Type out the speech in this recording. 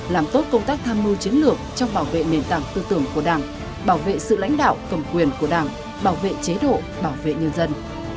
làm tốt công tác tham mưu chiến lược trong bảo vệ nền tảng tư tưởng của đảng bảo vệ sự lãnh đạo cầm quyền của đảng bảo vệ chế độ bảo vệ nhân dân